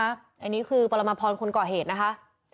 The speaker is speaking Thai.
อันนี้คือปรมาพรคนก่อเหตุนะคะ